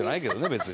別に。